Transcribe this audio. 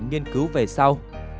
nhiên cứu về sau